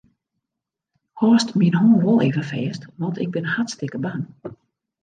Hâldst myn hân wol even fêst, want ik bin hartstikke bang.